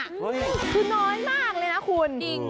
คือน้อยมากเลยนะคุณจริง